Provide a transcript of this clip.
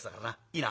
いいな？